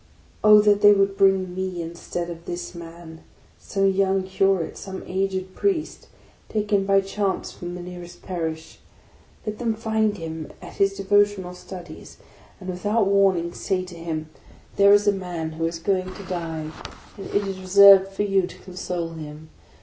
Oh that they would bring me, instead of this man, some young curate, some aged Priest, taken by chance from the nearest parish! Let them find him at his devotional studies, and, without warning, say to him, " There is a man who is 6 82 THE LAST DAY going to die, and it is reserved for you to console him.